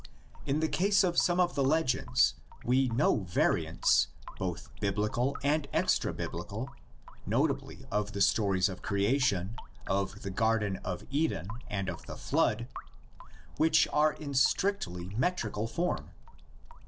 In the case of some of the legends we know variants both Biblical and extra Biblical, notably of the stories of creation, of the Garden of Eden and of the Flood, which are in strictly metrical form.